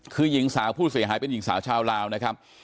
คือหญิงสาวผู้เสียหายเป็นหญิงสาวชาวลาวนะครับ